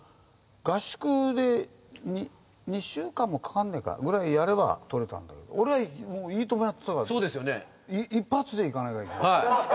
合宿で２週間もかからねえかぐらいやれば取れたんだけど俺は『いいとも！』やってたから一発でいかなきゃいけない。